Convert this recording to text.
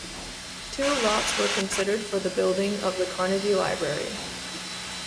Two lots were considered for the building of the Carnegie Library.